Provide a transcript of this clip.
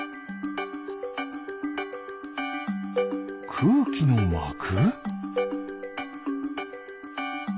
くうきのまく？